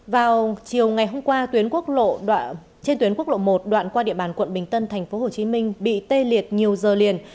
vào chiều ngày hôm qua trên tuyến quốc lộ một đoạn qua địa bàn quận bình tân tp hcm bị tê liệt nhiều giờ liền